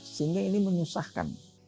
sehingga ini menyusahkan